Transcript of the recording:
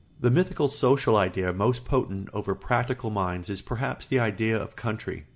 ] The mythical social idea most potent over practical minds is perhaps the idea of country.